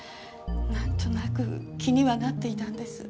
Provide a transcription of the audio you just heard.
なんとなく気にはなっていたんです。